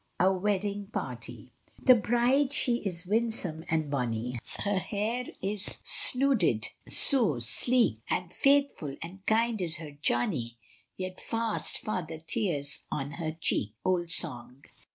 A WEDDING PARTY. The bride she is winsome and bonny, Her hair it is snooded sae sleek, And faithfu* and kind is her Johnny, Yet fast fa' the tears on her cheek. Old Song.